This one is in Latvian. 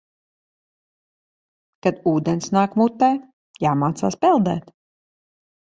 Kad ūdens nāk mutē, jāmācās peldēt.